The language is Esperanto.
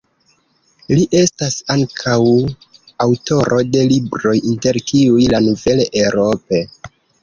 Li estas ankaŭ aŭtoro de libroj inter kiuj "La nouvelle Europe.